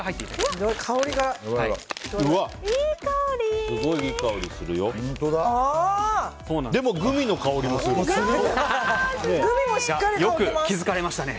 すごいいい香りするね。